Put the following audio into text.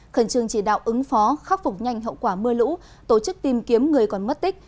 khẩn trương chỉ đạo ứng phó khắc phục nhanh hậu quả mưa lũ tổ chức tìm kiếm người còn mất tích